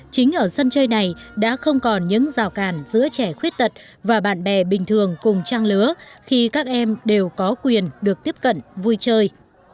chính ở sân chơi này đã không còn những rào cản giữa trẻ khuyết tật và bạn bè bình thường cùng trang lứa khi các em đều có quyền được tiếp cận vui chơi